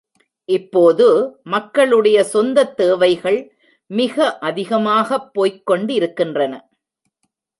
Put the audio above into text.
இப்போது மக்களுடைய சொந்தத் தேவைகள் மிக அதிகமாகப் போய்க் கொண்டிருக்கின்றன.